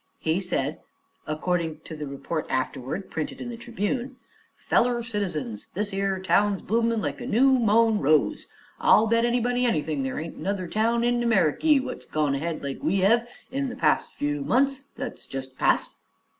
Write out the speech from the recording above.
He said, according to the report afterward printed in the Tribune: "Feller Citizens! This 'ere town's bloomin' like a new mown rose. I'll bet anybody anything there ain't another town in Ameriky what's gone ahead like we hev in the past few months that's jest past.